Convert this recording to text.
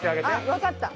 わかった？